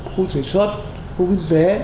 khu sở xuất khu kinh tế